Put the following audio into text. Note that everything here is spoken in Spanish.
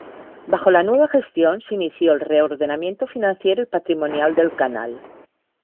Bajo la nueva gestión se inició el reordenamiento financiero y patrimonial del canal.